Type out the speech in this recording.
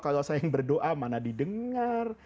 kalau saya yang berdoa mana didengar